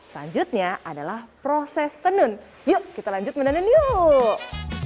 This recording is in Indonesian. selanjutnya adalah proses tenun yuk kita lanjut menenun yuk